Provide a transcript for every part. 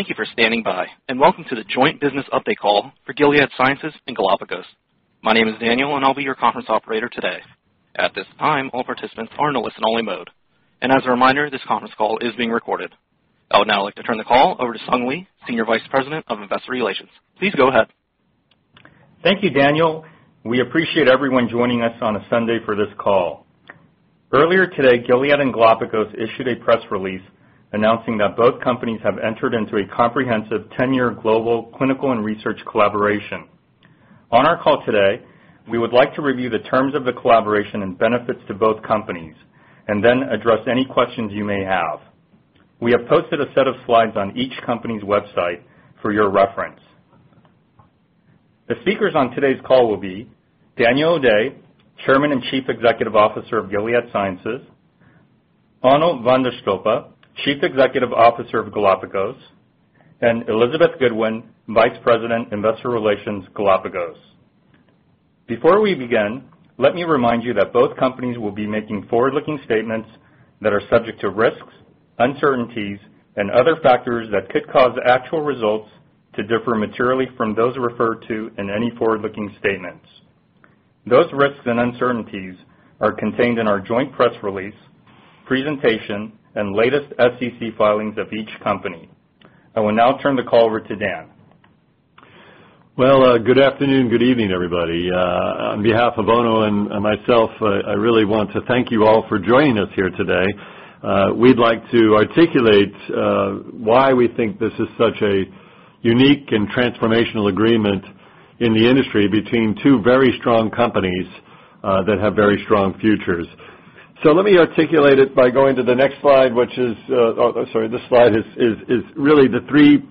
Thank you for standing by and welcome to the joint business update call for Gilead Sciences and Galapagos. My name is Daniel, and I'll be your conference operator today. At this time, all participants are in a listen-only mode. As a reminder, this conference call is being recorded. I would now like to turn the call over to Sung Lee, Senior Vice President of Investor Relations. Please go ahead. Thank you, Daniel. We appreciate everyone joining us on a Sunday for this call. Earlier today, Gilead and Galapagos issued a press release announcing that both companies have entered into a comprehensive 10-year global clinical and research collaboration. On our call today, we would like to review the terms of the collaboration and benefits to both companies, and then address any questions you may have. We have posted a set of slides on each company's website for your reference. The speakers on today's call will be Daniel O'Day, Chairman and Chief Executive Officer of Gilead Sciences, Onno van de Stolpe, Chief Executive Officer of Galapagos, and Elizabeth Goodwin, Vice President, Investor Relations, Galapagos. Before we begin, let me remind you that both companies will be making forward-looking statements that are subject to risks, uncertainties, and other factors that could cause actual results to differ materially from those referred to in any forward-looking statements. Those risks and uncertainties are contained in our joint press release, presentation, and latest SEC filings of each company. I will now turn the call over to Dan. Well, good afternoon, good evening, everybody. On behalf of Onno and myself, I really want to thank you all for joining us here today. We'd like to articulate why we think this is such a unique and transformational agreement in the industry between two very strong companies that have very strong futures. Let me articulate it by going to the next slide, which is Oh, sorry, this slide is really the three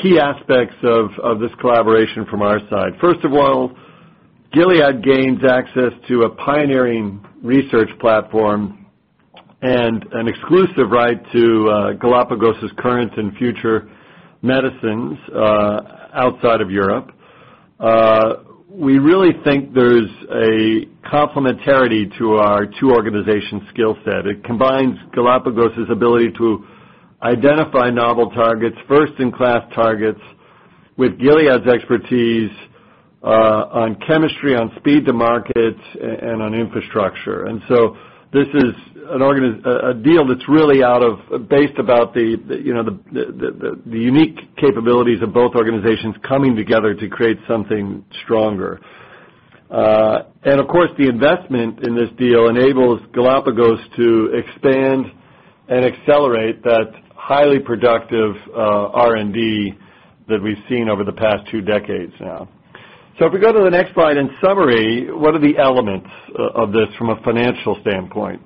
key aspects of this collaboration from our side. First of all, Gilead gains access to a pioneering research platform and an exclusive right to Galapagos's current and future medicines outside of Europe. We really think there's a complementarity to our two organizations' skill set. It combines Galapagos's ability to identify novel targets, first-in-class targets, with Gilead's expertise on chemistry, on speed to markets, and on infrastructure. This is a deal that's really based about the unique capabilities of both organizations coming together to create something stronger. Of course, the investment in this deal enables Galapagos to expand and accelerate that highly productive R&D that we've seen over the past two decades now. If we go to the next slide, in summary, what are the elements of this from a financial standpoint?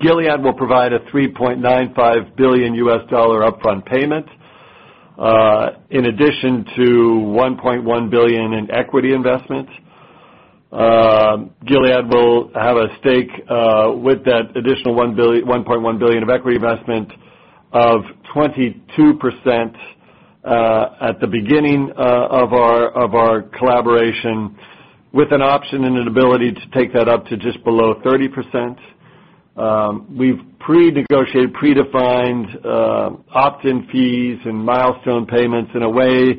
Gilead will provide a $3.95 billion upfront payment, in addition to $1.1 billion in equity investment. Gilead will have a stake with that additional $1.1 billion of equity investment of 22% at the beginning of our collaboration, with an option and an ability to take that up to just below 30%. We've pre-negotiated, predefined opt-in fees and milestone payments in a way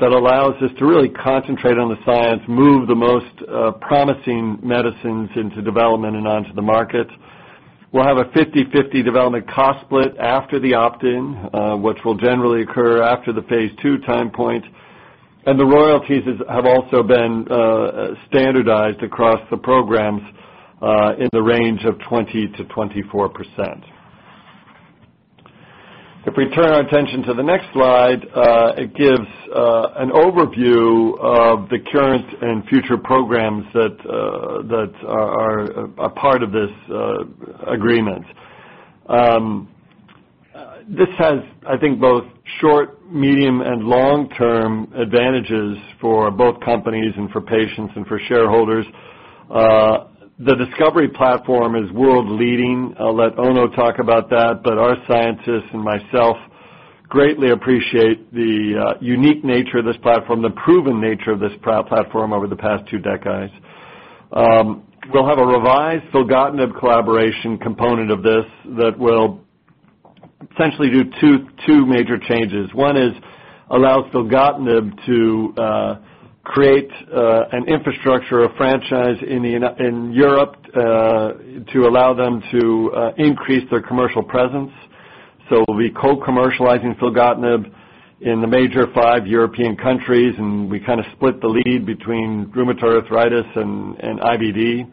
that allows us to really concentrate on the science, move the most promising medicines into development and onto the market. We'll have a 50/50 development cost split after the opt-in, which will generally occur after the phase II time point. The royalties have also been standardized across the programs in the range of 20%-24%. If we turn our attention to the next slide, it gives an overview of the current and future programs that are a part of this agreement. This has, I think, both short, medium, and long-term advantages for both companies and for patients and for shareholders. The discovery platform is world-leading. I'll let Onno talk about that, but our scientists and myself greatly appreciate the unique nature of this platform, the proven nature of this platform over the past two decades. We'll have a revised filgotinib collaboration component of this that will essentially do two major changes. One is allow filgotinib to create an infrastructure, a franchise in Europe to allow them to increase their commercial presence. We'll be co-commercializing filgotinib in the major five European countries, and we split the lead between rheumatoid arthritis and IBD.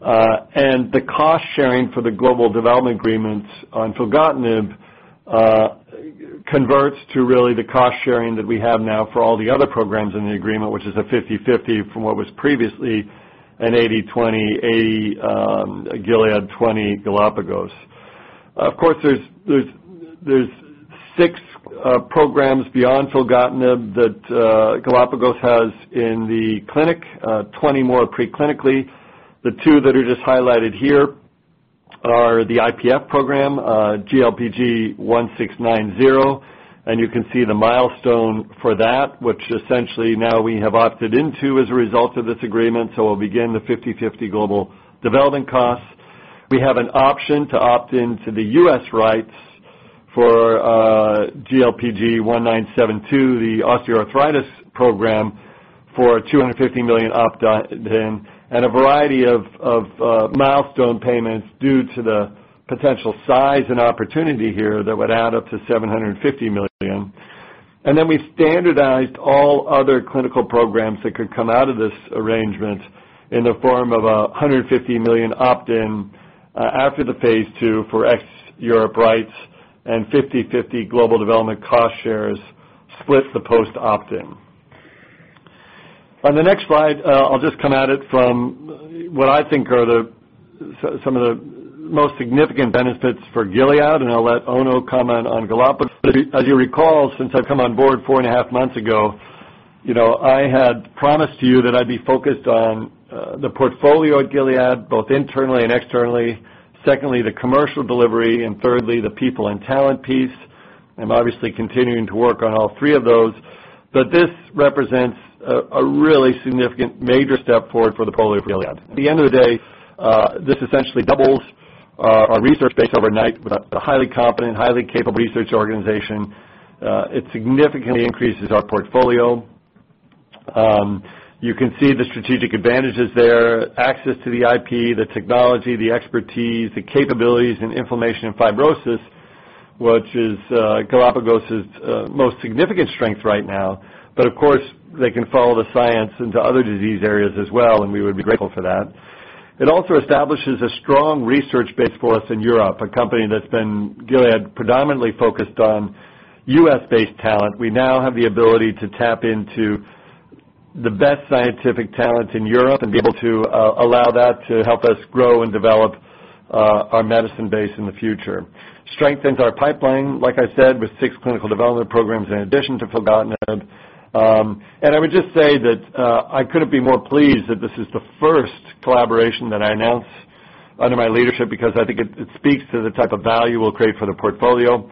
The cost-sharing for the global development agreements on filgotinib converts to really the cost-sharing that we have now for all the other programs in the agreement, which is a 50/50 from what was previously an 80/20, 80 Gilead, 20 Galapagos. Of course, there's six programs beyond filgotinib that Galapagos has in the clinic, 20 more pre-clinically. The two that are just highlighted here are the IPF program, GLPG1690. You can see the milestone for that, which essentially now we have opted into as a result of this agreement, so we'll begin the 50/50 global development costs. We have an option to opt into the U.S. rights for GLPG1972, the osteoarthritis program for $250 million opt-in, and a variety of milestone payments due to the potential size and opportunity here that would add up to $750 million. We standardized all other clinical programs that could come out of this arrangement in the form of $150 million opt-in after the phase II for ex-Europe rights and 50/50 global development cost shares split the post opt-in. On the next slide, I'll just come at it from what I think are some of the most significant benefits for Gilead, and I'll let Onno comment on Galapagos. As you recall, since I've come on board four and a half months ago, I had promised you that I'd be focused on the portfolio at Gilead, both internally and externally. Secondly, the commercial delivery, and thirdly, the people and talent piece. I'm obviously continuing to work on all three of those. This represents a really significant major step forward for the portfolio of Gilead. At the end of the day, this essentially doubles our research base overnight with a highly competent, highly capable research organization. It significantly increases our portfolio. You can see the strategic advantages there, access to the IP, the technology, the expertise, the capabilities in inflammation and fibrosis, which is Galapagos' most significant strength right now. Of course, they can follow the science into other disease areas as well, and we would be grateful for that. It also establishes a strong research base for us in Europe, a company that's been Gilead predominantly focused on U.S.-based talent. We now have the ability to tap into the best scientific talent in Europe and be able to allow that to help us grow and develop our medicine base in the future. Strengthens our pipeline, like I said, with six clinical development programs in addition to filgotinib. I would just say that I couldn't be more pleased that this is the first collaboration that I announce under my leadership because I think it speaks to the type of value we'll create for the portfolio.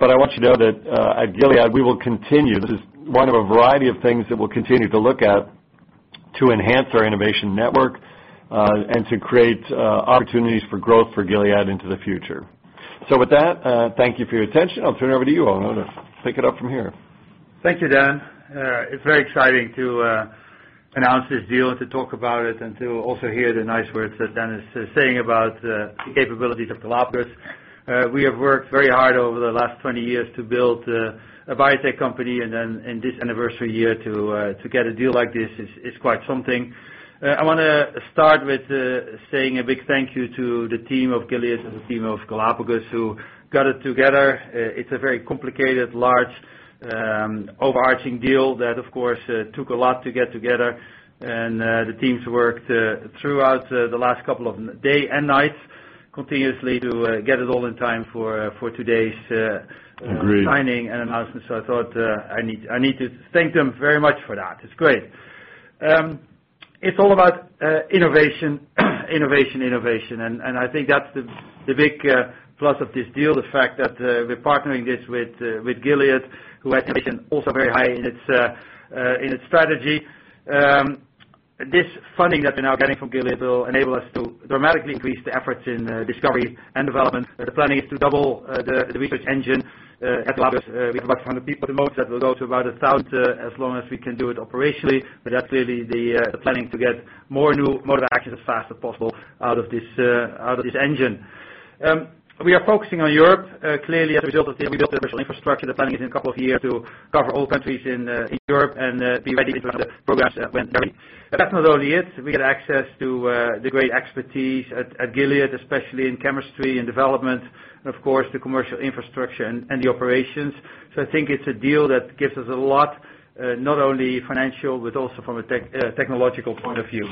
I want you to know that at Gilead, we will continue. This is one of a variety of things that we'll continue to look at to enhance our innovation network, and to create opportunities for growth for Gilead into the future. With that, thank you for your attention. I'll turn it over to you, Onno, to pick it up from here. Thank you, Dan. It's very exciting to announce this deal and to talk about it and to also hear the nice words that Dan is saying about the capabilities of Galapagos. We have worked very hard over the last 20 years to build a biotech company, and in this anniversary year to get a deal like this is quite something. I want to start with saying a big thank you to the team of Gilead and the team of Galapagos, who got it together. It's a very complicated, large, overarching deal that, of course, took a lot to get together. The teams worked throughout the last couple of day and night continuously to get it all in time for today's- Agreed signing and announcement. I thought I need to thank them very much for that. It's great. It's all about innovation. I think that's the big plus of this deal, the fact that we're partnering this with Gilead, who has innovation also very high in its strategy. This funding that we're now getting from Gilead will enable us to dramatically increase the efforts in discovery and development. The planning is to double the research engine at Galapagos. We have about 100 people at the most. That will go to about 1,000, as long as we can do it operationally. That's really the planning, to get more new modes of action as fast as possible out of this engine. We are focusing on Europe. Clearly, as a result of this, we built the commercial infrastructure. The planning is in a couple of years to cover all countries in Europe and be ready to enter the programs when they're ready. That's not all it is. We get access to the great expertise at Gilead, especially in chemistry and development, and of course, the commercial infrastructure and the operations. I think it's a deal that gives us a lot, not only financial, but also from a technological point of view.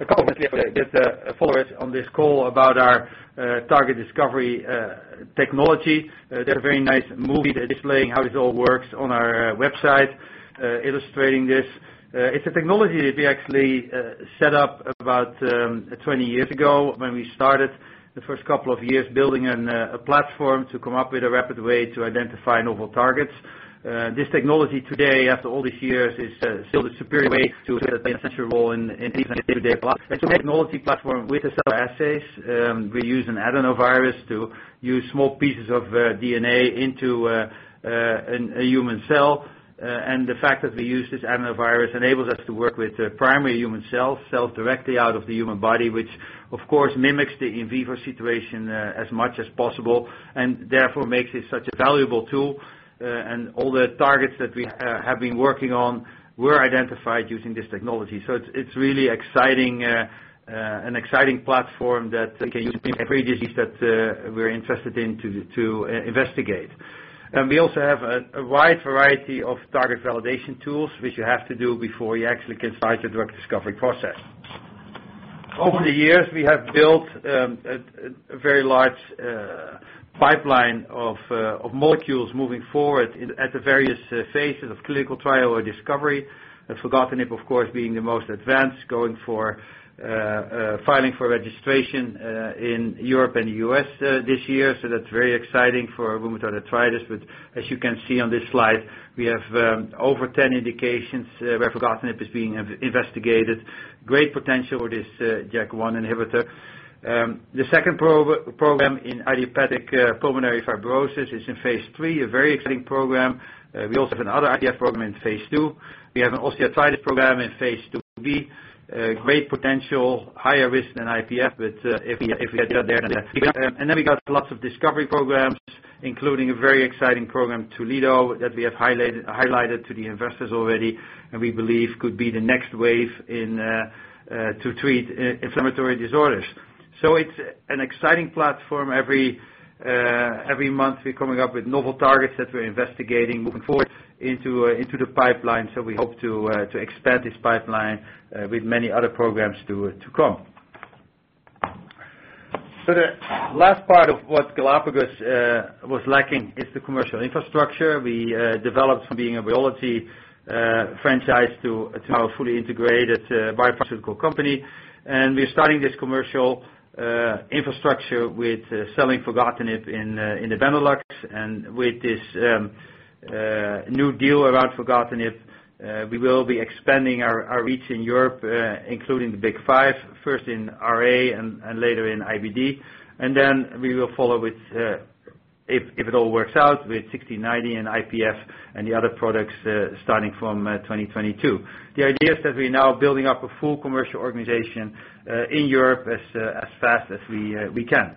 A couple of things I'm going to get followers on this call about our target discovery technology. There's a very nice movie that's displaying how it all works on our website illustrating this. It's a technology that we actually set up about 20 years ago when we started the first couple of years building a platform to come up with a rapid way to identify novel targets. This technology today, after all these years, is still the superior way to play a central role in even a day-to-day class. It's a technology platform with a set of assays. We use an adenovirus to use small pieces of DNA into a human cell. The fact that we use this adenovirus enables us to work with primary human cells directly out of the human body, which of course mimics the in vivo situation as much as possible, and therefore makes it such a valuable tool. All the targets that we have been working on were identified using this technology. It's really an exciting platform that we can use in every disease that we're interested in to investigate. We also have a wide variety of target validation tools, which you have to do before you actually get started the drug discovery process. Over the years, we have built a very large pipeline of molecules moving forward at the various phases of clinical trial or discovery. Filgotinib, of course, being the most advanced, filing for registration in Europe and the U.S. this year, that's very exciting for rheumatoid arthritis. As you can see on this slide, we have over 10 indications where filgotinib is being investigated. Great potential for this JAK1 inhibitor. The second program in idiopathic pulmonary fibrosis is in phase III, a very exciting program. We also have another IPF program in phase II. We have an osteoarthritis program in phase II-B. Great potential, higher risk than IPF, but if we get there. We got lots of discovery programs, including a very exciting program, Toledo, that we have highlighted to the investors already and we believe could be the next wave to treat inflammatory disorders. It's an exciting platform. Every month, we're coming up with novel targets that we're investigating moving forward into the pipeline. We hope to expand this pipeline with many other programs to come. The last part of what Galapagos was lacking is the commercial infrastructure we developed from being a royalty franchise to now a fully integrated biopharmaceutical company. We're starting this commercial infrastructure with selling filgotinib in the Benelux. With this new deal around filgotinib, we will be expanding our reach in Europe, including the Big Five, first in RA and later in IBD. Then we will follow with, if it all works out, with 1690 and IPF and the other products starting from 2022. The idea is that we're now building up a full commercial organization in Europe as fast as we can.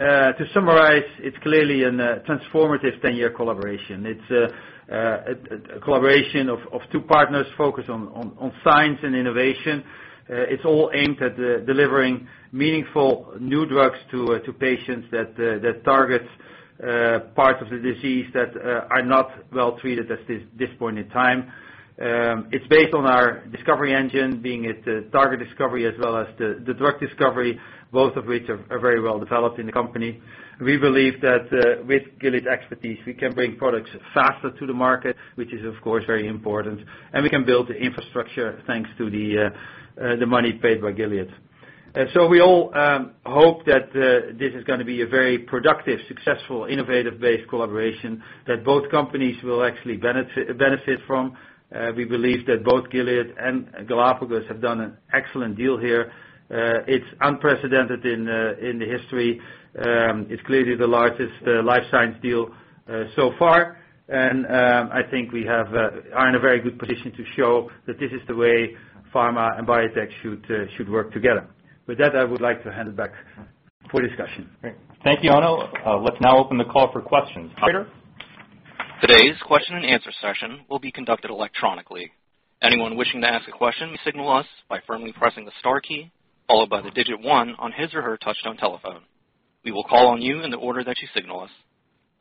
To summarize, it's clearly a transformative 10-year collaboration. It's a collaboration of two partners focused on science and innovation. It's all aimed at delivering meaningful new drugs to patients that targets parts of the disease that are not well treated at this point in time. It's based on our discovery engine, being target discovery as well as the drug discovery, both of which are very well developed in the company. We believe that with Gilead's expertise, we can bring products faster to the market, which is, of course, very important, and we can build the infrastructure thanks to the money paid by Gilead. We all hope that this is going to be a very productive, successful, innovative-based collaboration that both companies will actually benefit from. We believe that both Gilead and Galapagos have done an excellent deal here. It's unprecedented in the history. It's clearly the largest life science deal so far. I think we are in a very good position to show that this is the way pharma and biotech should work together. With that, I would like to hand it back for discussion. Great. Thank you, Onno. Let's now open the call for questions. Operator? Today's question and answer session will be conducted electronically. Anyone wishing to ask a question may signal us by firmly pressing the star key, followed by the digit 1 on his or her touch-tone telephone. We will call on you in the order that you signal us.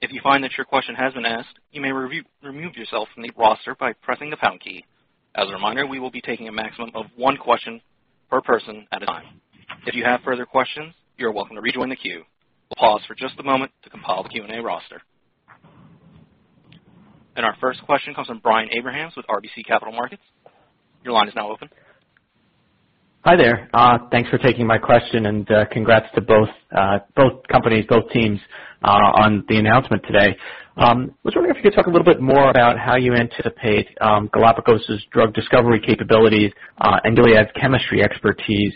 If you find that your question has been asked, you may remove yourself from the roster by pressing the pound key. As a reminder, we will be taking a maximum of 1 question per person at a time. If you have further questions, you are welcome to rejoin the queue. We'll pause for just a moment to compile the Q&A roster. Our first question comes from Brian Abrahams with RBC Capital Markets. Your line is now open. Hi there. Thanks for taking my question and congrats to both companies, both teams on the announcement today. I was wondering if you could talk a little bit more about how you anticipate Galapagos's drug discovery capabilities and Gilead's chemistry expertise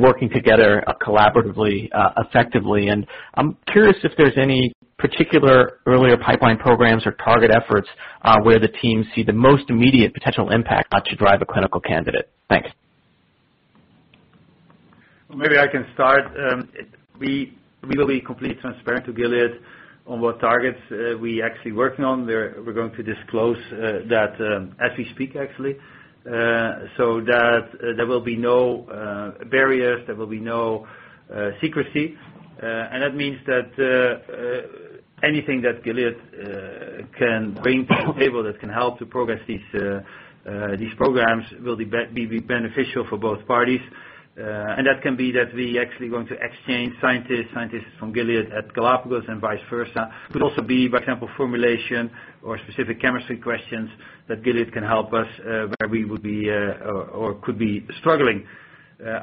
working together collaboratively, effectively. I'm curious if there's any particular earlier pipeline programs or target efforts where the teams see the most immediate potential impact about to drive a clinical candidate. Thanks. Maybe I can start. We're going to be completely transparent to Gilead on what targets we're actually working on. We're going to disclose that as we speak, actually. That there will be no barriers, there will be no secrecy. That means that anything that Gilead can bring to the table that can help to progress these programs will be beneficial for both parties. That can be that we are actually going to exchange scientists from Gilead at Galapagos and vice versa. Could also be, for example, formulation or specific chemistry questions that Gilead can help us where we would be or could be struggling.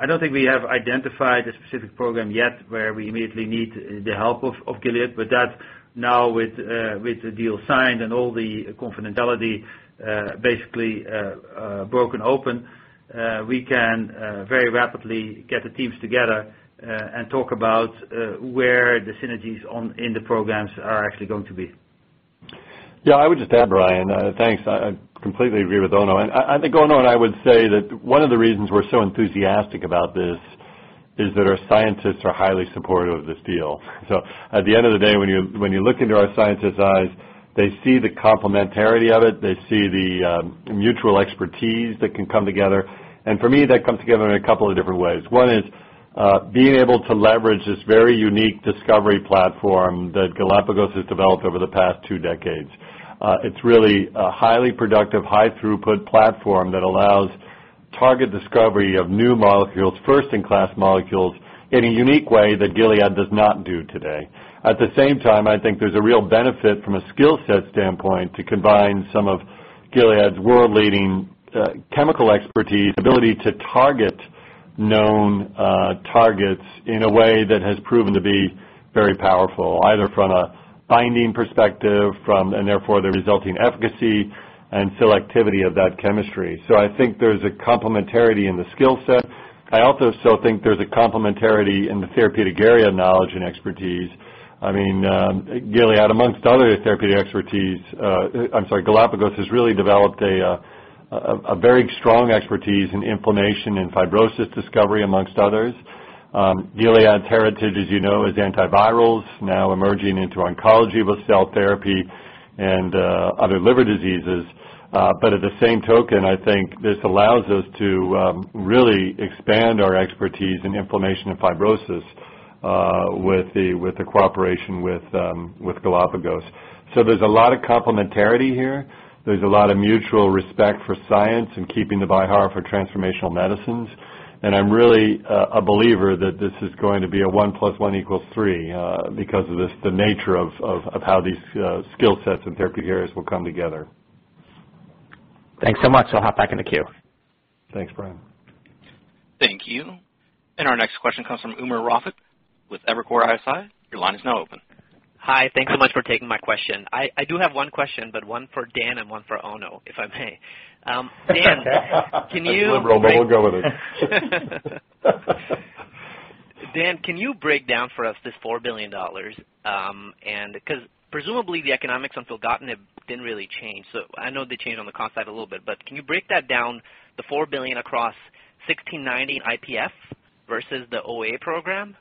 I don't think we have identified a specific program yet where we immediately need the help of Gilead. That now with the deal signed and all the confidentiality basically broken open, we can very rapidly get the teams together and talk about where the synergies in the programs are actually going to be. I would just add, Brian. Thanks. I completely agree with Onno. I think Onno and I would say that one of the reasons we're so enthusiastic about this is that our scientists are highly supportive of this deal. At the end of the day, when you look into our scientists' eyes, they see the complementarity of it. They see the mutual expertise that can come together. For me, that comes together in a couple of different ways. One is being able to leverage this very unique discovery platform that Galapagos has developed over the past two decades. It's really a highly productive, high throughput platform that allows target discovery of new molecules, first-in-class molecules in a unique way that Gilead does not do today. At the same time, I think there's a real benefit from a skill set standpoint to combine some of Gilead's world-leading chemical expertise and ability to known targets in a way that has proven to be very powerful, either from a binding perspective and therefore the resulting efficacy and selectivity of that chemistry. I think there's a complementarity in the skill set. I also still think there's a complementarity in the therapeutic area knowledge and expertise. Gilead, amongst other therapeutic expertise, Galapagos has really developed a very strong expertise in inflammation and fibrosis discovery, amongst others. Gilead's heritage, as you know, is antivirals now emerging into oncology with cell therapy and other liver diseases. At the same token, I think this allows us to really expand our expertise in inflammation and fibrosis with the cooperation with Galapagos. There's a lot of complementarity here. There's a lot of mutual respect for science and keeping the bar high for transformational medicines. I'm really a believer that this is going to be a one plus one equals three, because of the nature of how these skill sets and therapeutic areas will come together. Thanks so much. I'll hop back in the queue. Thanks, Brian. Thank you. Our next question comes from Umer Raffat with Evercore ISI. Your line is now open. Hi. Thanks so much for taking my question. I do have one question, but one for Dan and one for Onno, if I may. We'll go with it. Dan, can you break down for us this $4 billion? Presumably the economics on filgotinib didn't really change. I know they changed on the cost side a little bit, but can you break that down, the $4 billion across 1690 IPF versus the OA program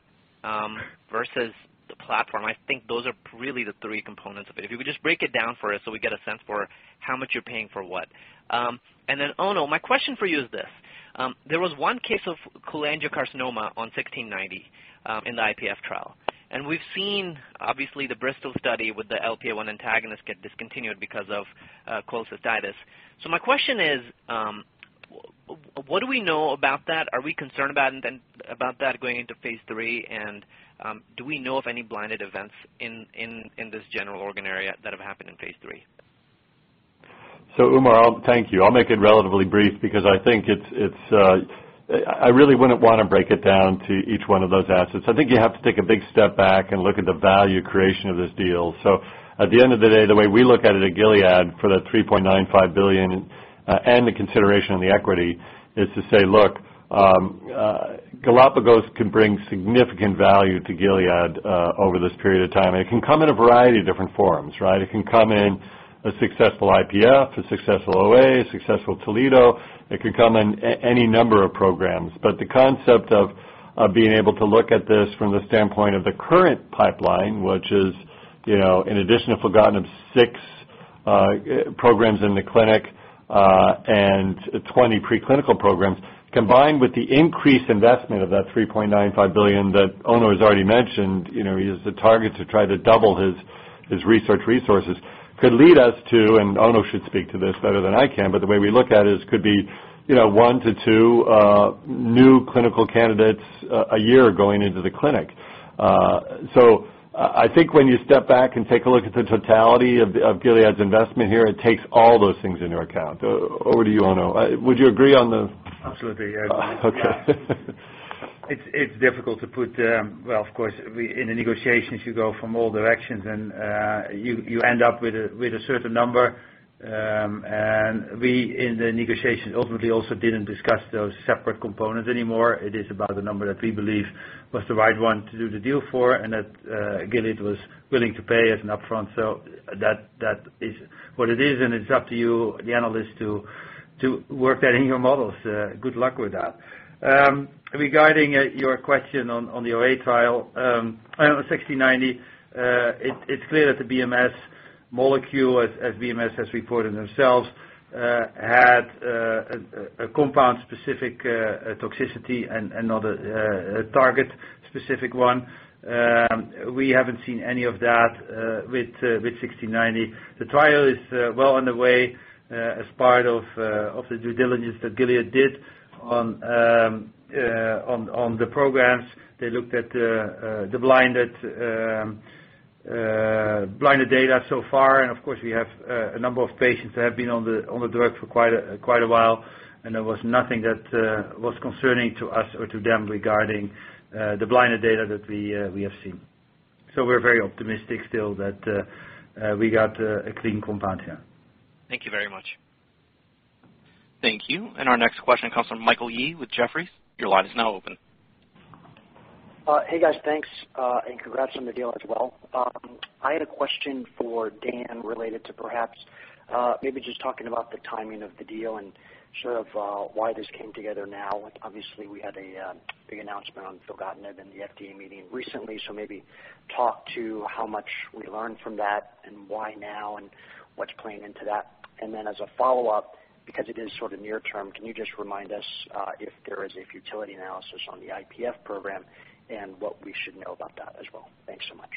versus the platform? I think those are really the three components of it. If you could just break it down for us so we get a sense for how much you're paying for what. Then Onno, my question for you is this. There was one case of cholangiocarcinoma on 1690 in the IPF trial. We've seen, obviously, the Bristol study with the LPA1 antagonist get discontinued because of cholestasis. My question is, what do we know about that? Are we concerned about that going into phase III? Do we know of any blinded events in this general organ area that have happened in phase III? Umer, thank you. I'll make it relatively brief because I really wouldn't want to break it down to each one of those assets. I think you have to take a big step back and look at the value creation of this deal. At the end of the day, the way we look at it at Gilead for that $3.95 billion and the consideration of the equity is to say, look, Galapagos can bring significant value to Gilead over this period of time. It can come in a variety of different forms, right? It can come in a successful IPF, a successful OA, a successful Toledo. It could come in any number of programs. The concept of being able to look at this from the standpoint of the current pipeline, which is, in addition to filgotinib, six programs in the clinic and 20 preclinical programs, combined with the increased investment of that $3.95 billion that Onno has already mentioned, he has the target to try to double his research resources, could lead us to, Onno should speak to this better than I can, but the way we look at it is could be one to two new clinical candidates a year going into the clinic. I think when you step back and take a look at the totality of Gilead's investment here, it takes all those things into account. Over to you, Onno. Would you agree on the- Absolutely. Okay. It's difficult to put Well, of course, in the negotiations, you go from all directions and you end up with a certain number. We, in the negotiations, ultimately also didn't discuss those separate components anymore. It is about the number that we believe was the right one to do the deal for and that Gilead was willing to pay as an upfront. That is what it is, and it's up to you, the analysts, to work that in your models. Good luck with that. Regarding your question on the OA trial, 1690, it's clear that the BMS molecule, as BMS has reported themselves, had a compound-specific toxicity and not a target-specific one. We haven't seen any of that with 1690. The trial is well on the way as part of the due diligence that Gilead did on the programs. They looked at the blinded data so far. Of course, we have a number of patients that have been on the drug for quite a while, and there was nothing that was concerning to us or to them regarding the blinded data that we have seen. We're very optimistic still that we got a clean compound here. Thank you very much. Thank you. Our next question comes from Michael Yee with Jefferies. Your line is now open. Hey, guys, thanks, and congrats on the deal as well. I had a question for Dan related to perhaps maybe just talking about the timing of the deal and sort of why this came together now. Obviously, we had a big announcement on filgotinib in the FDA meeting recently, so maybe talk to how much we learned from that and why now and what's playing into that. As a follow-up, because it is sort of near term, can you just remind us if there is a futility analysis on the IPF program and what we should know about that as well? Thanks so much.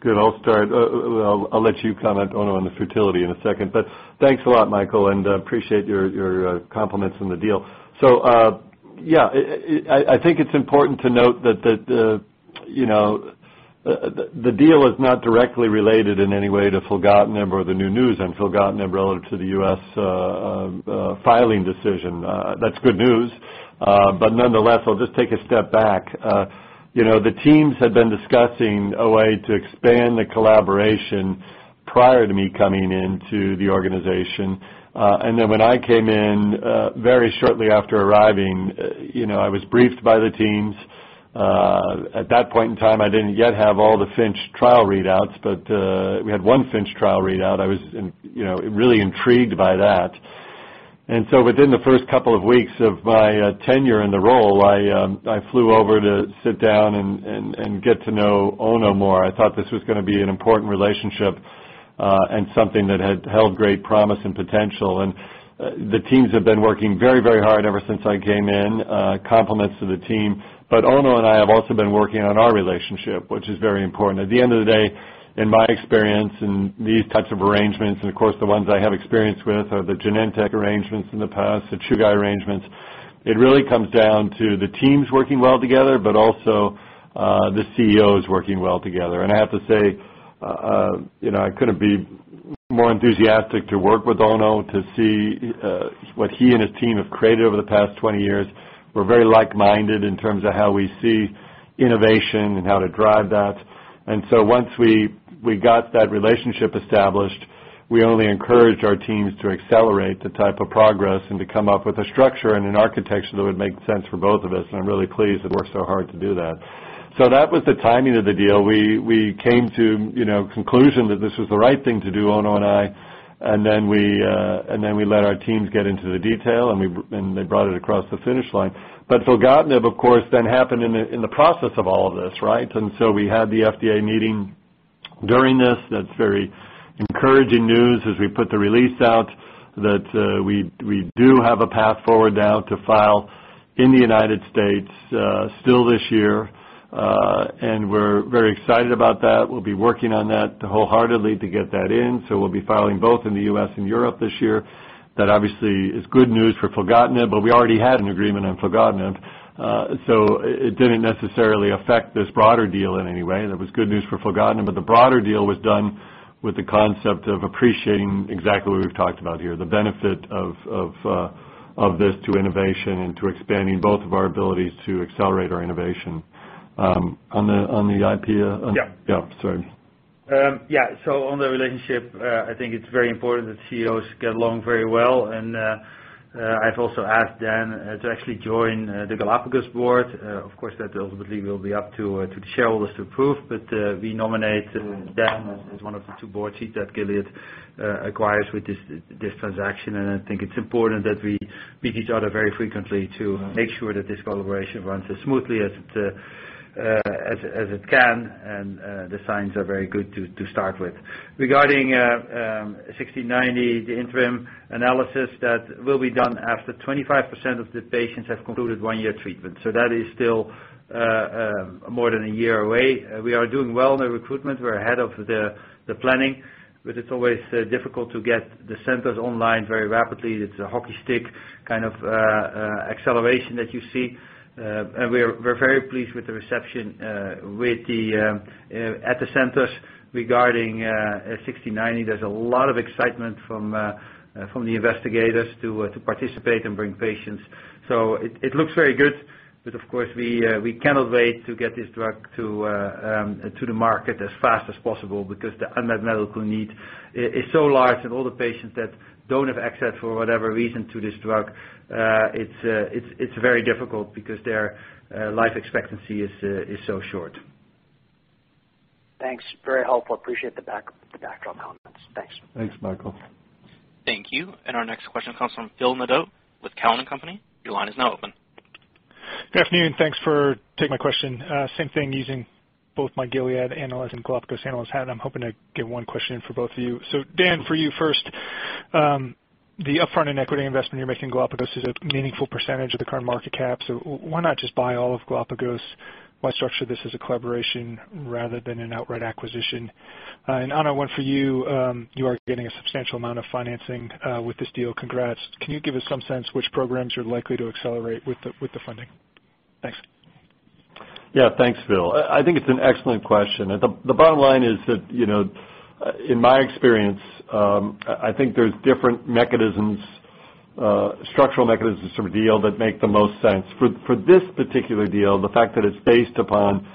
Good. I'll start. I'll let you comment, Onno, on the futility in a second. Thanks a lot, Michael, and appreciate your compliments on the deal. I think it's important to note that the deal is not directly related in any way to filgotinib or the new news on filgotinib relative to the U.S. filing decision. That's good news. Nonetheless, I'll just take a step back. The teams had been discussing a way to expand the collaboration prior to me coming into the organization. When I came in, very shortly after arriving, I was briefed by the teams. At that point in time, I didn't yet have all the FINCH trial readouts, but we had one FINCH trial readout. I was really intrigued by that. Within the first couple of weeks of my tenure in the role, I flew over to sit down and get to know Onno more. I thought this was going to be an important relationship, and something that held great promise and potential. The teams have been working very hard ever since I came in, compliments to the team. Onno and I have also been working on our relationship, which is very important. At the end of the day, in my experience in these types of arrangements, and of course, the ones I have experience with are the Genentech arrangements in the past, the Chugai arrangements. It really comes down to the teams working well together, but also, the CEOs working well together. I have to say, I couldn't be more enthusiastic to work with Onno to see what he and his team have created over the past 20 years. We're very like-minded in terms of how we see innovation and how to drive that. Once we got that relationship established, we only encouraged our teams to accelerate the type of progress and to come up with a structure and an architecture that would make sense for both of us. I'm really pleased that worked so hard to do that. That was the timing of the deal. We came to conclusion that this was the right thing to do, Onno and I, we let our teams get into the detail, and they brought it across the finish line. Filgotinib, of course, then happened in the process of all of this, right? We had the FDA meeting during this. That's very encouraging news as we put the release out that we do have a path forward now to file in the U.S. still this year. We're very excited about that. We'll be working on that wholeheartedly to get that in. We'll be filing both in the U.S. and Europe this year. That obviously is good news for filgotinib, we already had an agreement on filgotinib. It didn't necessarily affect this broader deal in any way. That was good news for filgotinib, the broader deal was done with the concept of appreciating exactly what we've talked about here, the benefit of this to innovation and to expanding both of our abilities to accelerate our innovation. On the IP? Yeah. Yeah, sorry. Yeah. On the relationship, I think it's very important that CEOs get along very well. I've also asked Dan to actually join the Galapagos board. Of course, that ultimately will be up to the shareholders to approve, we nominate Dan as one of the two board seats that Gilead acquires with this transaction. I think it's important that we meet each other very frequently to make sure that this collaboration runs as smoothly as it can. The signs are very good to start with. Regarding 1690, the interim analysis that will be done after 25% of the patients have concluded one year treatment. That is still more than a year away. We are doing well in the recruitment. We're ahead of the planning, but it's always difficult to get the centers online very rapidly. It's a hockey stick acceleration that you see. We're very pleased with the reception at the centers regarding 1690. There's a lot of excitement from the investigators to participate and bring patients. It looks very good, of course, we cannot wait to get this drug to the market as fast as possible because the unmet medical need is so large and all the patients that don't have access for whatever reason to this drug, it's very difficult because their life expectancy is so short. Thanks. Very helpful. Appreciate the backdrop comments. Thanks. Thanks, Michael. Thank you. Our next question comes from Phil Nadeau with Cowen and Company. Your line is now open. Good afternoon. Thanks for taking my question. Same thing, using both my Gilead analyst and Galapagos analyst hat. I'm hoping to get one question in for both of you. Dan, for you first, the upfront and equity investment you're making in Galapagos is a meaningful percentage of the current market cap. Why not just buy all of Galapagos? Why structure this as a collaboration rather than an outright acquisition? Onno, one for you. You are getting a substantial amount of financing with this deal. Congrats. Can you give us some sense which programs you're likely to accelerate with the funding? Thanks. Yeah. Thanks, Phil. I think it's an excellent question. The bottom line is that, in my experience, I think there's different structural mechanisms for a deal that make the most sense. For this particular deal, the fact that it's based upon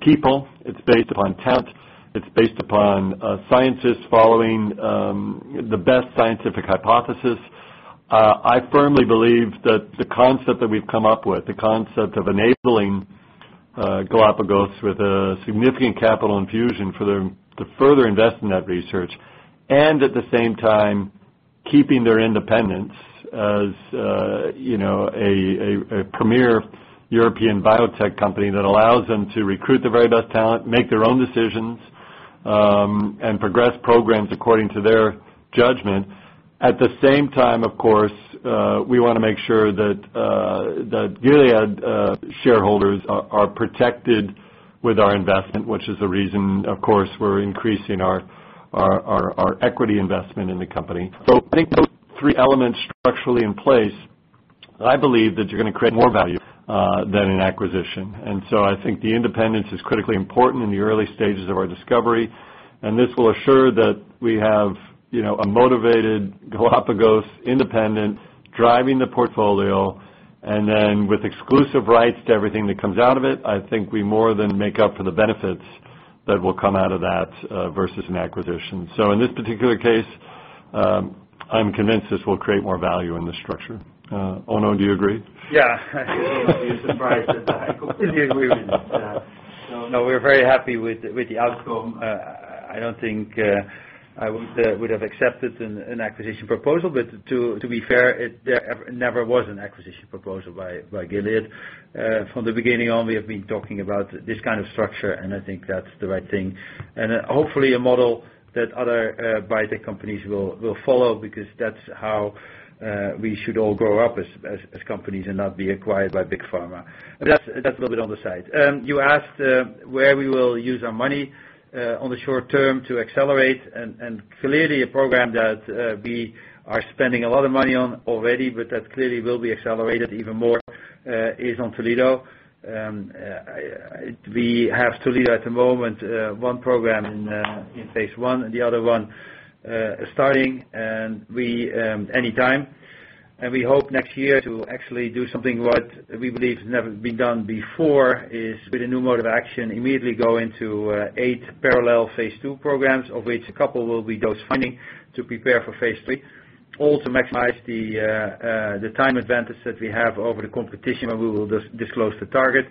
people, it's based upon talent, it's based upon scientists following the best scientific hypothesis. I firmly believe that the concept that we've come up with, the concept of enabling Galapagos with a significant capital infusion to further invest in that research, and at the same time, keeping their independence as a premier European biotech company that allows them to recruit the very best talent, make their own decisions, and progress programs according to their judgment. At the same time, of course, we want to make sure that Gilead shareholders are protected with our investment, which is the reason, of course, we're increasing our equity investment in the company. I think those three elements structurally in place, I believe that you're going to create more value than an acquisition. I think the independence is critically important in the early stages of our discovery, and this will assure that we have a motivated Galapagos independent driving the portfolio, and then with exclusive rights to everything that comes out of it, I think we more than make up for the benefits that will come out of that versus an acquisition. In this particular case, I'm convinced this will create more value in this structure. Onno, do you agree? Yeah. You'll be surprised that I completely agree with you. No, we're very happy with the outcome. I don't think I would have accepted an acquisition proposal. To be fair, there never was an acquisition proposal by Gilead. From the beginning on, we have been talking about this kind of structure, and I think that's the right thing. Hopefully a model that other biotech companies will follow because that's how we should all grow up as companies and not be acquired by Big Pharma. That's a little bit on the side. You asked where we will use our money on the short term to accelerate, and clearly a program that we are spending a lot of money on already, but that clearly will be accelerated even more, is on Toledo. We have Toledo at the moment, one program in phase I and the other one starting anytime. We hope next year to actually do something what we believe has never been done before, is with a new mode of action, immediately go into eight parallel phase II programs, of which a couple will be dose-finding to prepare for phase III. Also maximize the time advantage that we have over the competition, and we will disclose the target.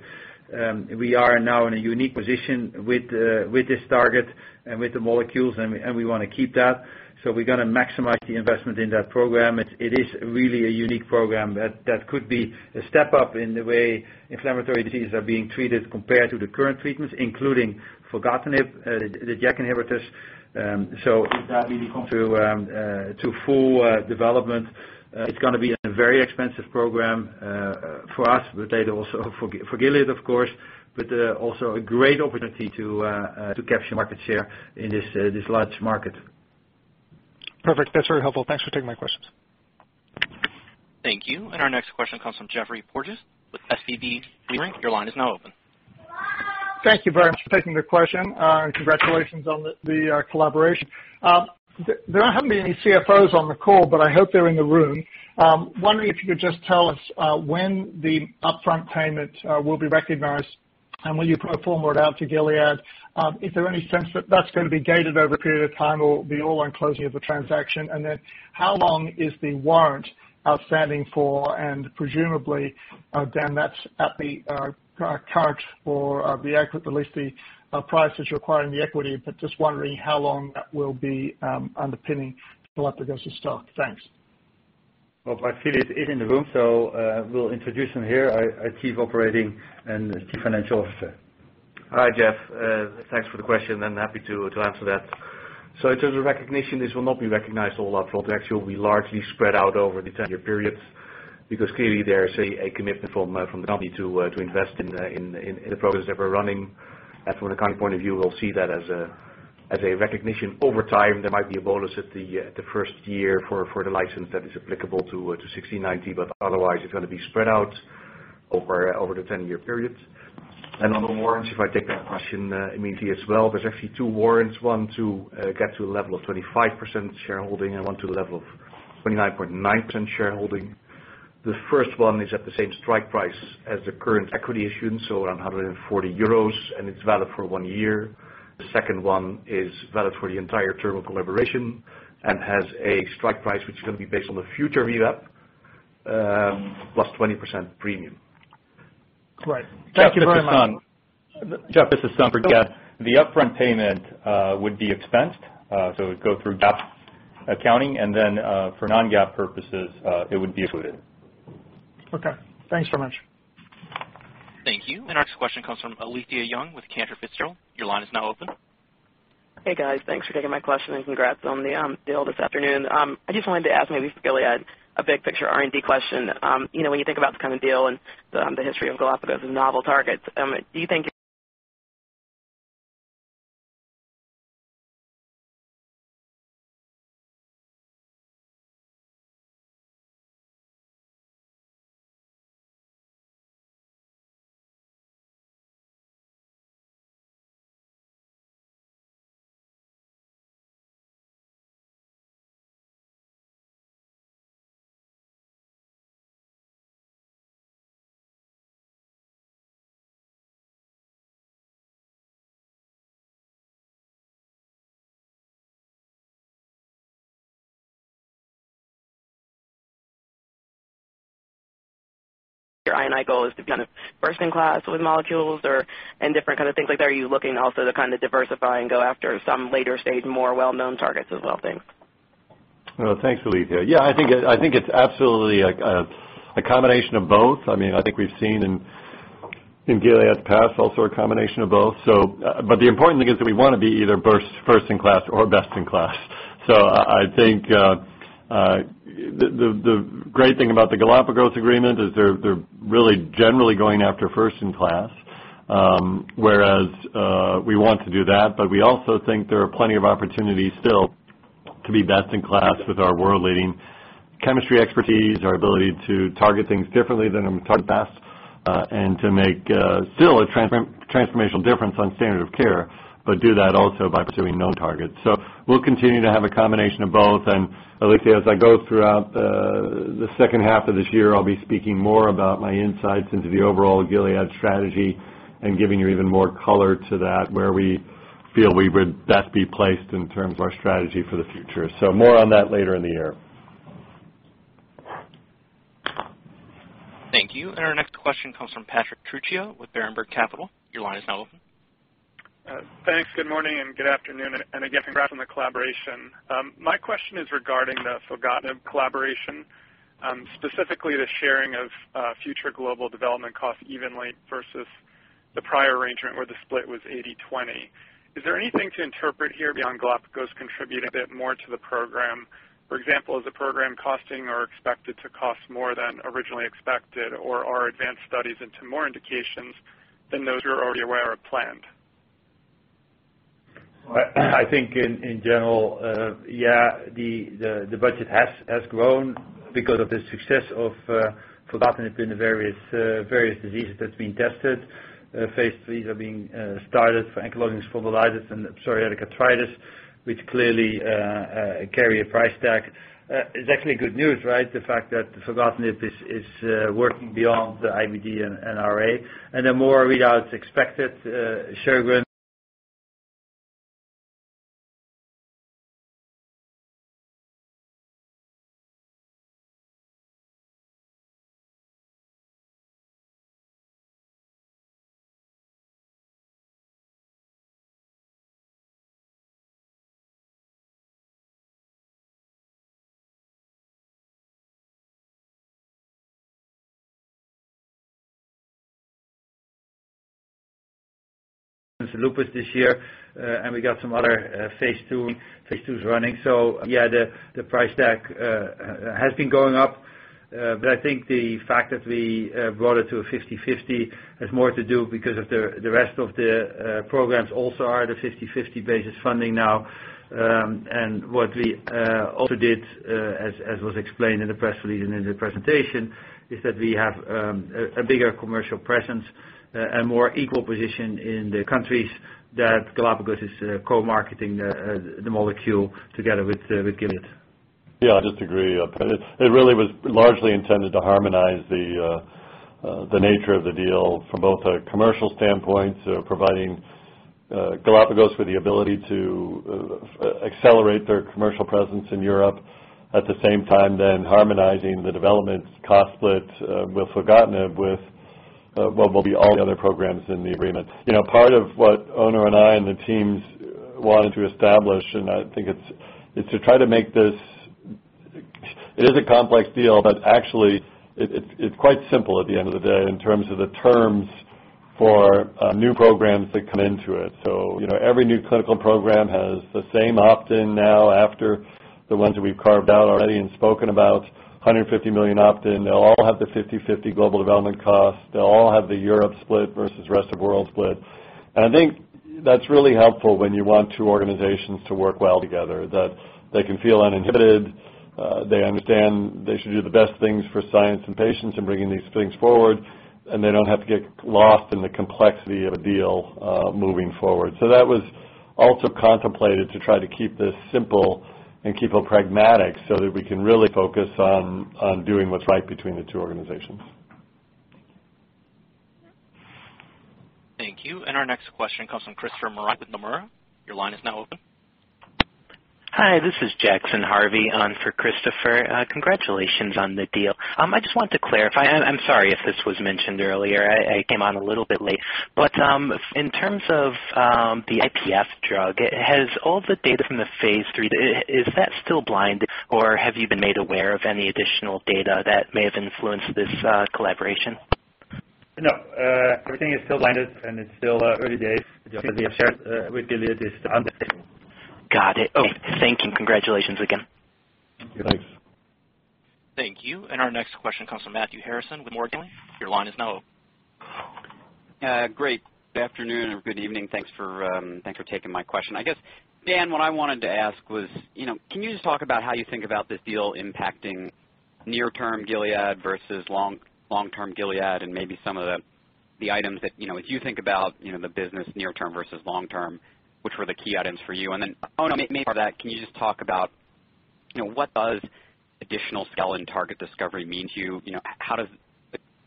We are now in a unique position with this target and with the molecules, and we want to keep that. We're going to maximize the investment in that program. It is really a unique program that could be a step up in the way inflammatory diseases are being treated compared to the current treatments, including filgotinib, the JAK inhibitors. If that really comes to full development, it's going to be a very expensive program for us, but also for Gilead, of course, but also a great opportunity to capture market share in this large market. Perfect. That's very helpful. Thanks for taking my questions. Thank you. Our next question comes from Geoffrey Porges with SVB Leerink. Your line is now open. Hello. Thank you very much for taking the question. Congratulations on the collaboration. There aren't having any CFOs on the call, but I hope they're in the room. Wondering if you could just tell us when the upfront payment will be recognized, and will you pro forma it out to Gilead? Is there any sense that that's going to be gated over a period of time or be all on closing of the transaction? And then how long is the warrant outstanding for? Presumably, Dan, that's at the current or at least the price that you acquire in the equity, but just wondering how long that will be underpinning Galapagos's stock. Thanks. Well, Filius is in the room, so we will introduce him here, our chief operating and chief financial officer. Hi, Geoff. Thanks for the question. Happy to answer that. In terms of recognition, this will not be recognized all up front. Actually, it will be largely spread out over the 10-year period because clearly there is a commitment from the company to invest in the programs that we are running. From an accounting point of view, we will see that as a recognition over time. There might be a bonus at the first year for the license that is applicable to 1690, but otherwise it is going to be spread out over the 10-year period. On the warrants, if I take that question immediately as well, there are actually two warrants, one to get to a level of 25% shareholding and one to the level of 29.9% shareholding. The first one is at the same strike price as the current equity issuance, so around €140, and it is valid for one year. The second one is valid for the entire term of collaboration and has a strike price, which is going to be based on the future VWAP plus 20% premium. Great. Thank you very much. Geoff, this is Tom Verga. The upfront payment would be expensed. It would go through GAAP accounting. Then for non-GAAP purposes, it would be included. Okay. Thanks very much. Thank you. Our next question comes from Alethia Young with Cantor Fitzgerald. Your line is now open. Hey, guys. Thanks for taking my question and congrats on the deal this afternoon. I just wanted to ask maybe for Gilead, a big picture R&D question. When you think about this kind of deal and the history of Galapagos and novel targets, your I&I goal is to be on a first-in-class with molecules and different kind of things like that. Are you looking also to diversify and go after some later stage, more well-known targets as well? Thanks. Well, thanks, Alethia. I think it's absolutely a combination of both. I think we've seen in Gilead's past also a combination of both. The important thing is that we want to be either first in class or best in class. I think the great thing about the Galapagos agreement is they're really generally going after first in class, whereas we want to do that, but we also think there are plenty of opportunities still to be best in class with our world-leading chemistry expertise, our ability to target things differently than target best, and to make still a transformational difference on standard of care, but do that also by pursuing known targets. We'll continue to have a combination of both. Alethia, as I go throughout the second half of this year, I'll be speaking more about my insights into the overall Gilead strategy and giving you even more color to that, where we feel we would best be placed in terms of our strategy for the future. More on that later in the year. Thank you. Our next question comes from Patrick Trucchio with Berenberg Capital. Your line is now open. Thanks. Good morning and good afternoon, again congrats on the collaboration. My question is regarding the filgotinib collaboration, specifically the sharing of future global development costs evenly versus the prior arrangement where the split was 80/20. Is there anything to interpret here beyond Galapagos contributing a bit more to the program? For example, is the program costing or expected to cost more than originally expected, or are advanced studies into more indications than those you're already aware of planned? I think in general, yeah, the budget has grown because of the success of filgotinib in the various diseases that's been tested. Phase III are being started for ankylosing spondylitis and psoriatic arthritis, which clearly carry a price tag. It's actually good news, right? The fact that filgotinib is working beyond the IBD and RA. The more readouts expected, Sjögren's lupus this year, and we got some other phase II running. Yeah, the price tag has been going up. I think the fact that we brought it to a 50/50 has more to do because of the rest of the programs also are at a 50/50 basis funding now. What we also did, as was explained in the press release and in the presentation, is that we have a bigger commercial presence, a more equal position in the countries that Galapagos is co-marketing the molecule together with Gilead. Yeah, I just agree. It really was largely intended to harmonize the nature of the deal from both a commercial standpoint, so providing Galapagos with the ability to accelerate their commercial presence in Europe. At the same time then harmonizing the development cost split with filgotinib with what will be all the other programs in the agreement. Part of what Onno and I and the teams wanted to establish, and I think it's to try to make this It is a complex deal, but actually, it's quite simple at the end of the day in terms of the terms for new programs that come into it. Every new clinical program has the same opt-in now after the ones that we've carved out already and spoken about, $150 million opt-in. They'll all have the 50/50 global development cost. They'll all have the Europe split versus rest of world split. I think that's really helpful when you want two organizations to work well together, that they can feel uninhibited. They understand they should do the best things for science and patients in bringing these things forward, and they don't have to get lost in the complexity of a deal moving forward. That was also contemplated to try to keep this simple and keep it pragmatic so that we can really focus on doing what's right between the two organizations. Thank you. Our next question comes from Christopher Moran with Nomura. Your line is now open. Hi, this is Jackson Harvey on for Christopher. Congratulations on the deal. I just wanted to clarify. I'm sorry if this was mentioned earlier. I came on a little bit late. In terms of the IPF drug, has all the data from the phase III, is that still blinded, or have you been made aware of any additional data that may have influenced this collaboration? No. Everything is still blinded and it's still early days with the IPF with Gilead is undisclosed. Got it. Oh, thank you. Congratulations again. Yeah. Thanks. Thank you. Our next question comes from Matthew Harrison with Morgan Stanley. Your line is now open. Great. Good afternoon or good evening. Thanks for taking my question. I guess, Dan, what I wanted to ask was, can you just talk about how you think about this deal impacting near term Gilead versus long-term Gilead and maybe some of the items that, as you think about the business near term versus long term, which were the key items for you? Then Onno, maybe part of that, can you just talk about what does additional skeletal target discovery mean to you?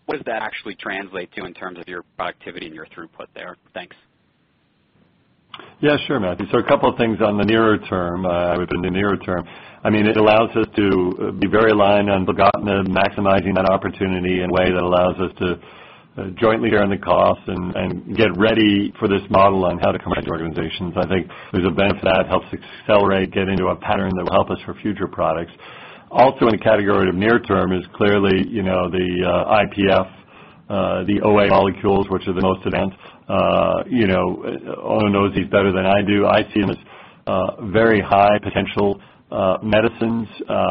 What does that actually translate to in terms of your productivity and your throughput there? Thanks. Yeah, sure Matthew. A couple of things on the nearer term. I mean, it allows us to be very aligned on filgotinib, maximizing that opportunity in a way that allows us to jointly share in the costs and get ready for this model on how to combine two organizations. I think there's a benefit to that. It helps accelerate getting to a pattern that will help us for future products. Also in the category of near term is clearly, the IPF and OA molecules, which are the most advanced. Onno knows these better than I do. I see them as very high potential medicines,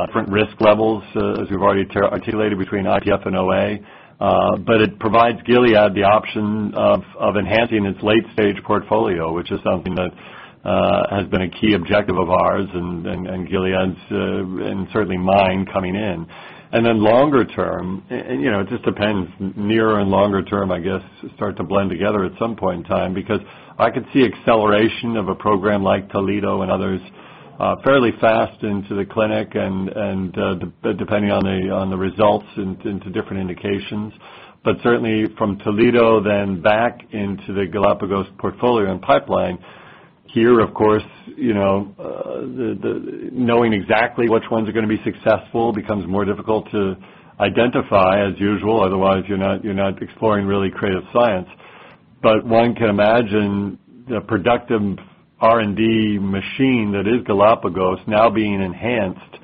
different risk levels, as we've already articulated between IPF and OA. It provides Gilead the option of enhancing its late-stage portfolio, which is something that has been a key objective of ours and Gilead's, and certainly mine, coming in. Longer term, it just depends. Nearer and longer term, I guess, start to blend together at some point in time, because I could see acceleration of a program like Toledo and others fairly fast into the clinic and depending on the results into different indications. Certainly from Toledo then back into the Galapagos portfolio and pipeline. Here, of course, knowing exactly which ones are going to be successful becomes more difficult to identify, as usual. Otherwise, you're not exploring really creative science. One can imagine the productive R&D machine that is Galapagos now being enhanced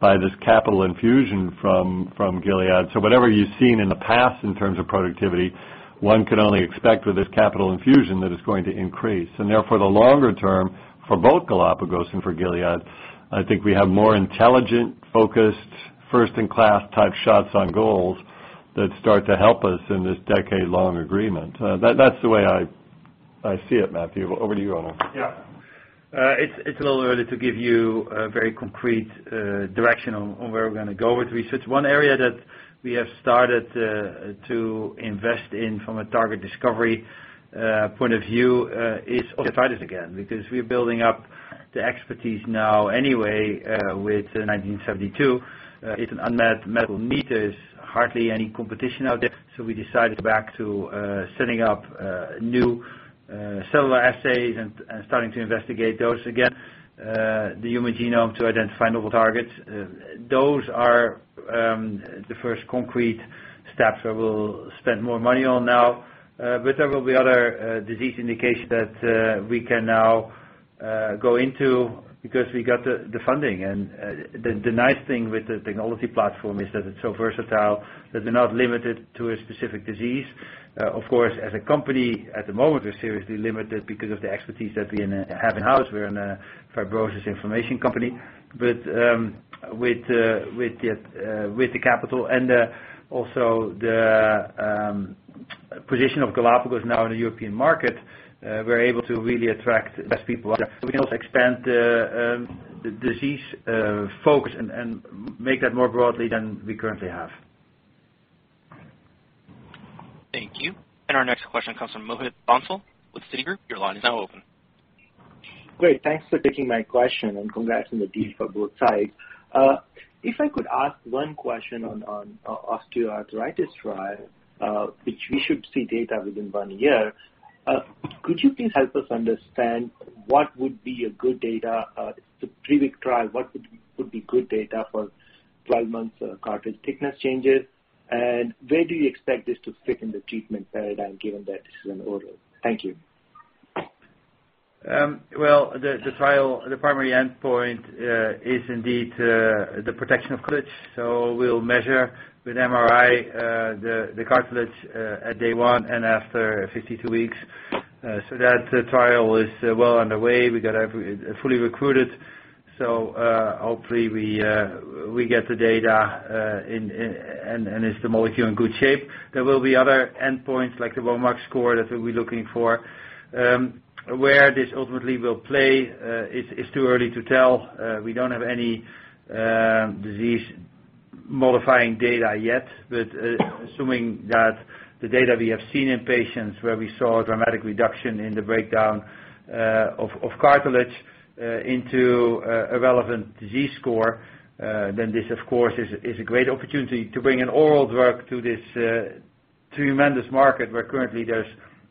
by this capital infusion from Gilead. Whatever you've seen in the past in terms of productivity, one can only expect with this capital infusion that it's going to increase. Therefore, the longer term for both Galapagos and for Gilead, I think we have more intelligent, focused, first-in-class type shots on goals that start to help us in this decade-long agreement. That's the way I see it, Matthew. Over to you, Onno. Yeah. It's a little early to give you a very concrete direction on where we're going to go with research. One area that we have started to invest in from a target discovery point of view is osteoarthritis again, because we're building up the expertise now anyway with GLPG1972. It's an unmet medical need. There's hardly any competition out there, so we decided to go back to setting up new cellular assays and starting to investigate those again, the human genome to identify novel targets. Those are the first concrete steps that we'll spend more money on now. There will be other disease indications that we can now go into, because we got the funding. The nice thing with the technology platform is that it's so versatile that they're not limited to a specific disease. Of course, as a company at the moment, we're seriously limited because of the expertise that we have in-house. We're in a fibrosis inflammation company. With the capital and also the position of Galapagos now in the European market, we're able to really attract the best people out there. We can also expand the disease focus and make that more broadly than we currently have. Thank you. Our next question comes from Mohit Bansal with Citigroup. Your line is now open. Great. Thanks for taking my question, and congrats on the deal for both sides. If I could ask one question on osteoarthritis trial, which we should see data within one year. Could you please help us understand what would be a good data, the [fifty-two week trial], what would be good data for 12 months cartilage thickness changes? Where do you expect this to fit in the treatment paradigm, given that this is an oral? Thank you. Well, the trial, the primary endpoint is indeed the protection of cartilage. We'll measure with MRI, the cartilage at day one and after 52 weeks. That trial is well underway. We got fully recruited. Hopefully, we get the data and is the molecule in good shape. There will be other endpoints, like the WOMAC score, that we'll be looking for. Where this ultimately will play, it's too early to tell. We don't have any disease-modifying data yet. Assuming that the data we have seen in patients where we saw a dramatic reduction in the breakdown of cartilage into a relevant disease score, then this, of course, is a great opportunity to bring an oral drug to this tremendous market where currently there's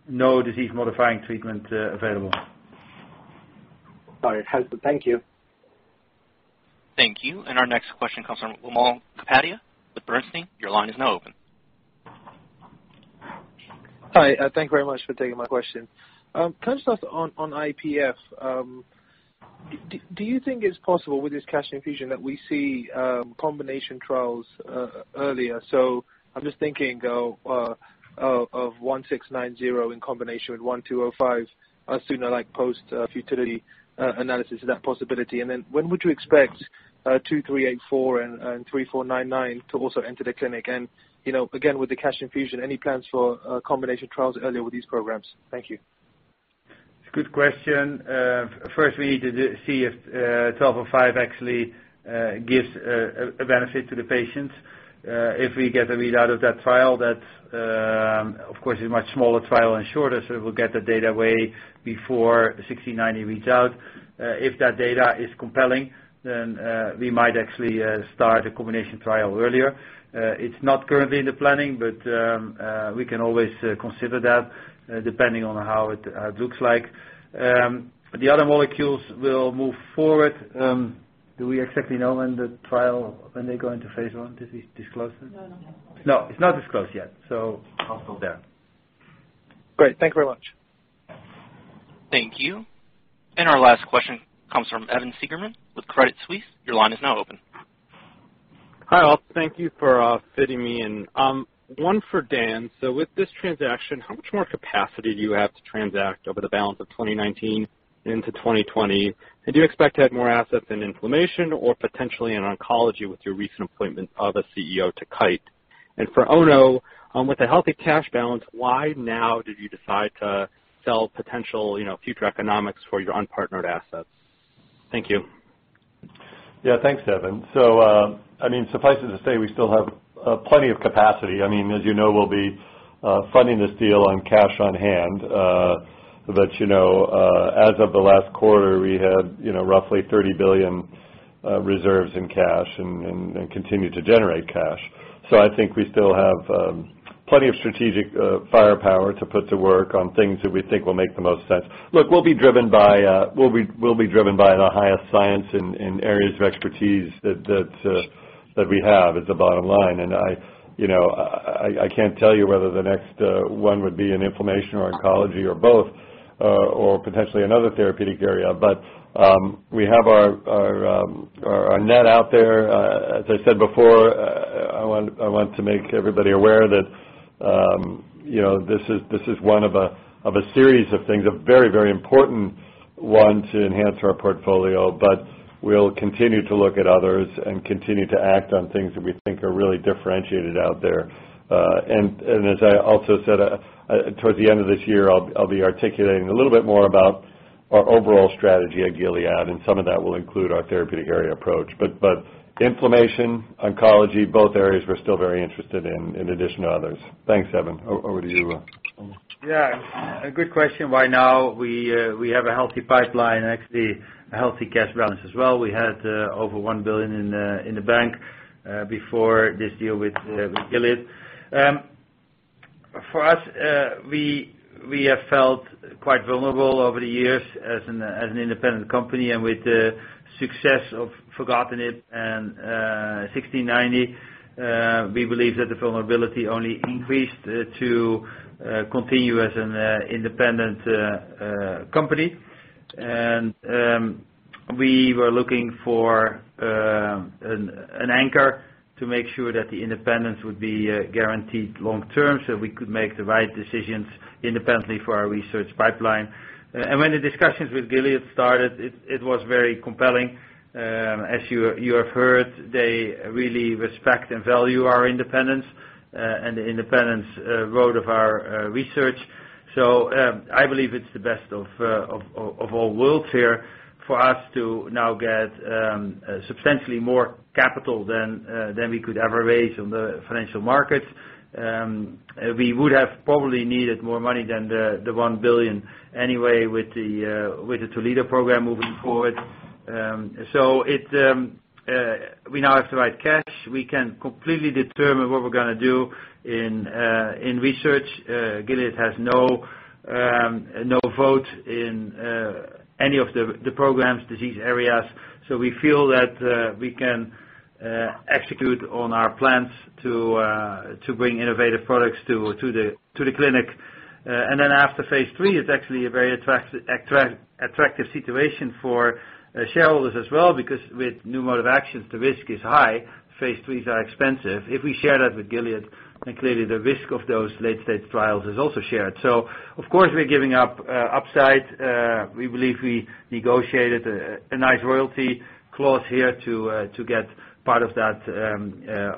no disease-modifying treatment available. Got it. Thank you. Thank you. Our next question comes from Wimal Kapadia with Bernstein. Your line is now open. Hi, thank you very much for taking my question. Can I start on IPF? Do you think it's possible with this cash infusion that we see combination trials earlier? I'm just thinking of 1690 in combination with GLPG1205 sooner, like post-futility analysis, is that a possibility? When would you expect GLPG2384 and GLPG3499 to also enter the clinic? Again, with the cash infusion, any plans for combination trials earlier with these programs? Thank you. It's a good question. First, we need to see if GLPG1205 actually gives a benefit to the patient. If we get a read out of that trial, that of course, is a much smaller trial and shorter, so we'll get the data way before 1690 reads out. If that data is compelling, then we might actually start a combination trial earlier. It's not currently in the planning, but we can always consider that depending on how it looks like. The other molecules will move forward. Do we exactly know when the trial, when they go into phase I? Did we disclose this? No, not yet. No, it's not disclosed yet. I'll stop there. Great. Thank you very much. Thank you. Our last question comes from Evan Seigerman with Credit Suisse. Your line is now open. Hi, all. Thank you for fitting me in. One for Dan. With this transaction, how much more capacity do you have to transact over the balance of 2019 into 2020? Do you expect to have more assets in inflammation or potentially in oncology with your recent appointment of a CEO to Kite? For Onno, with a healthy cash balance, why now did you decide to sell potential future economics for your unpartnered assets? Thank you. Yeah, thanks, Evan. Suffices to say, we still have plenty of capacity. As you know, we will be funding this deal on cash on hand. As of the last quarter, we had roughly $30 billion reserves in cash and continue to generate cash. I think we still have plenty of strategic firepower to put to work on things that we think will make the most sense. Look, we will be driven by the highest science in areas of expertise that we have, is the bottom line. I cannot tell you whether the next one would be in inflammation or oncology or both or potentially another therapeutic area. We have our net out there. As I said before, I want to make everybody aware that this is one of a series of things, a very, very important one to enhance our portfolio. We will continue to look at others and continue to act on things that we think are really differentiated out there. As I also said, towards the end of this year, I will be articulating a little bit more about our overall strategy at Gilead, and some of that will include our therapeutic area approach. Inflammation, oncology, both areas we are still very interested in addition to others. Thanks, Evan. Over to you, Onno. Yeah, a good question. Right now, we have a healthy pipeline, actually a healthy cash balance as well. We had over $1 billion in the bank before this deal with Gilead. For us, we have felt quite vulnerable over the years as an independent company. With the success of filgotinib and 1690, we believe that the vulnerability only increased to continue as an independent company. We were looking for an anchor to make sure that the independence would be guaranteed long term so we could make the right decisions independently for our research pipeline. When the discussions with Gilead started, it was very compelling. As you have heard, they really respect and value our independence and the independence road of our research. I believe it is the best of all worlds here for us to now get substantially more capital than we could ever raise on the financial markets. We would have probably needed more money than the $1 billion anyway with the Toledo program moving forward. We now have the right cash. We can completely determine what we are going to do in research. Gilead has no vote in any of the programs, disease areas. We feel that we can execute on our plans to bring innovative products to the clinic. After phase III, it is actually a very attractive situation for shareholders as well because with new mode of actions, the risk is high. phase IIIs are expensive. If we share that with Gilead, then clearly the risk of those late-stage trials is also shared. Of course, we are giving up upside. We believe we negotiated a nice royalty clause here to get part of that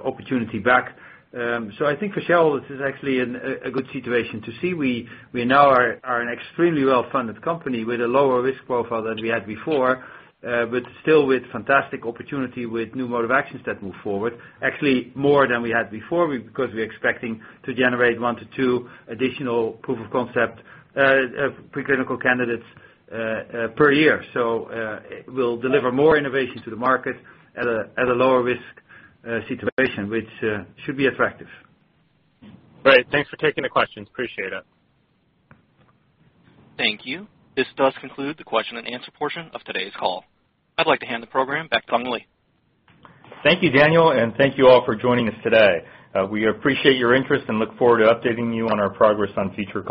opportunity back. I think for shareholders, this is actually a good situation to see. We now are an extremely well-funded company with a lower risk profile than we had before, but still with fantastic opportunity with new mode of actions that move forward, actually more than we had before because we're expecting to generate one to two additional proof of concept preclinical candidates per year. We'll deliver more innovation to the market at a lower risk situation, which should be attractive. Great. Thanks for taking the questions. Appreciate it. Thank you. This does conclude the question and answer portion of today's call. I'd like to hand the program back to Sung Lee Thank you, Daniel. Thank you all for joining us today. We appreciate your interest and look forward to updating you on our progress on future calls